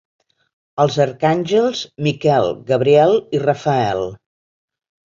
Els arcàngels Miquel, Gabriel i Rafael.